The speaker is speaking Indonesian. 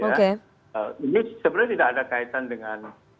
ini sebenarnya tidak ada kaitan dengan